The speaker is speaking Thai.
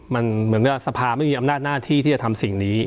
มันเหมือนกับสภาไม่มีอำนาจหน้าที่ที่จะทำสิ่งนี้